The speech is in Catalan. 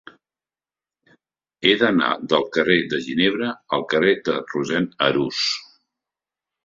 He d'anar del carrer de Ginebra al carrer de Rossend Arús.